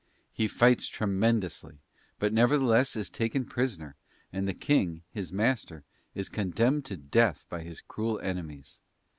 He fights tremendously, but nevertheless is taken prisoner, and the King, his master, is condemned to death by his cruel enemies.